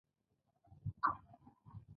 د ایران پاچا محمدشاه قاجار هر وخت.